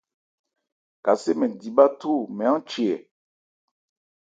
Kasé mɛn di bháthó maán che hɛ.